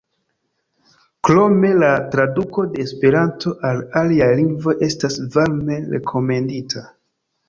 Krome, la traduko de Esperanto al aliaj lingvoj estas varme rekomendita.